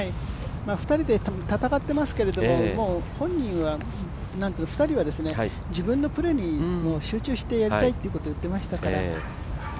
２人で戦っていますけれども２人は自分のプレーに集中してやりたいってことを言っていましたから。